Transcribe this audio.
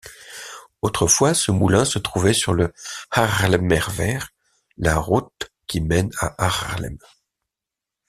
Autrefois, ce moulin se trouvait sur le Haarlemmerweg, la route qui mène à Haarlem.